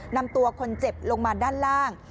นำตัวคนเจ็บลงมาด้านล่าง